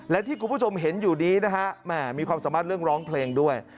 และที่คุณผู้ชมเห็นอยู่นี้นะฮะมีความสามารถเรื่องร้องเพลงด้วย